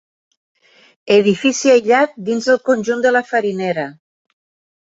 Edifici aïllat dins el conjunt de la farinera.